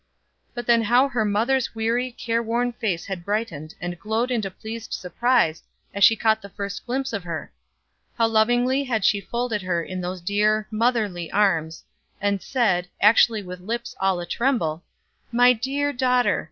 But then how her mother's weary, careworn face had brightened, and glowed into pleased surprise as she caught the first glimpse of her; how lovingly she had folded her in those dear motherly arms, and said, actually with lips all a tremble: "My dear daughter!